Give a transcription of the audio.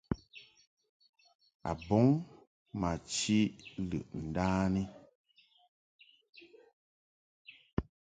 A bɔŋ ma chiʼ lɨʼ ndani.